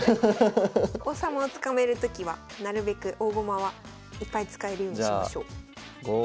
王様を捕まえるときはなるべく大駒はいっぱい使えるようにしましょう。